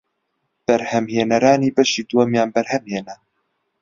بەرهەمهێنەرانی بەشی دووەمیان بەرهەمهێنا